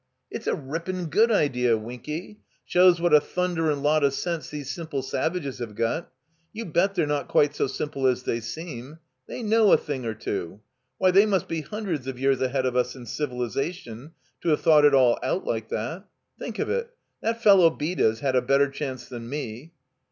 "It's a rippin' good idea, Winky, Shows what a thunderin' lot of sense these simple savages have got. You bet they're not quite so simple as they seem. They know a thing or two. Why, they must be hundreds of years ahead of us in civilization, to have thought it all out Uke that. Think of it, that fellow Beda's had a better chance than me."